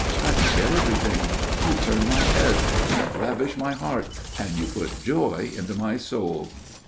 I forget everything. You turn my head, you ravish my heart, and you put joy into my soul."